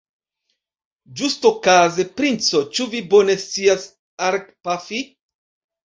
Ĝustokaze, princo, ĉu vi bone scias arkpafi?